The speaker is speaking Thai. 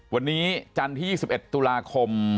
วันนี้จันทร์ที่๒๑ตุลาคม